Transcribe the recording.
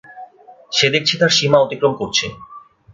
সে দেখছি তার সীমা অতিক্রম করছে।